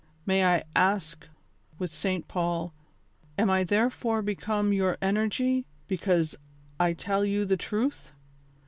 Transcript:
May I ask. with St. Paul, '■■ Am I therefore become your enemy, because I tell you the truth